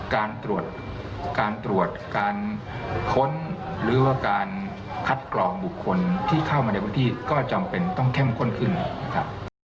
การตรวจการตรวจการค้นหรือว่าการคัดกรองบุคคลที่เข้ามาในพื้นที่ก็จำเป็นต้องเข้มข้นขึ้นนะครับ